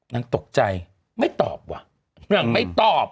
นางตกใจไม่ตอบว่ะนางไม่ตอบ